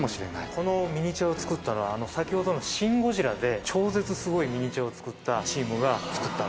このミニチュアを作ったのは先ほどの『シン・ゴジラ』で超絶すごいミニチュアを作ったチームが作ったんですね。